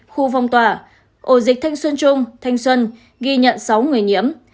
khu phong tỏa ổ dịch thanh xuân trung thanh xuân ghi nhận sáu người nhiễm